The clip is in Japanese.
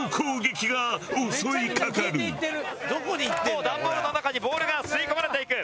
もうダンボールの中にボールが吸い込まれていく。